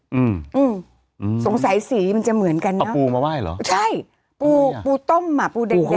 อืมอืมสงสัยสีมันจะเหมือนกันน่ะอาพูดมาไหว้เหรอใช่ปูปูต้มหมาปูบุเนะคะ